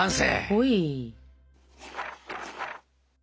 ほい。